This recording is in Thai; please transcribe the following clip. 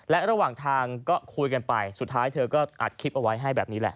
และระหว่างทางก็คุยกันไปสุดท้ายเธอก็อัดคลิปเอาไว้ให้แบบนี้แหละ